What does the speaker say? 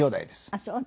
ああそう。